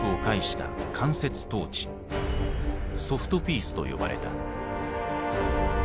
「ソフトピース」と呼ばれた。